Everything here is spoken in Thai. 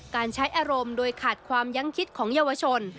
การใช้อารมณ์โดยขาดความยั้งคิดของเยาวชน